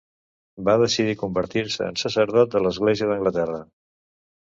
Va decidir convertir-se en sacerdot de l'Església d'Anglaterra.